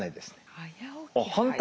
はい。